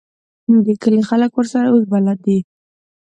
د کلي خلک ورسره اوس بلد دي.